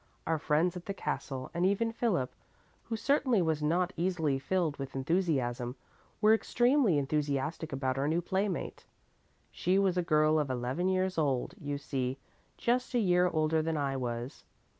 Our friends at the castle and even Philip, who certainly was not easily filled with enthusiasm, were extremely enthusiastic about our new playmate. She was a girl of eleven years old, you see just a year older than I was.